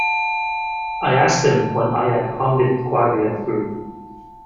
I asked him when I had hummed it quietly all through.